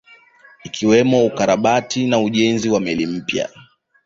Ikiwemo ukarabati na ujenzi wa meli mpya